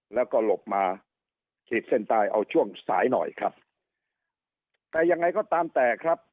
แล้วก็หลบมาขีดเส้นใต้เอาช่วงสายหน่อยครับแต่ยังไงก็ตามแต่ครับ